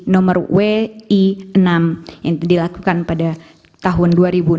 nomor wi enam yang dilakukan pada tahun dua ribu enam belas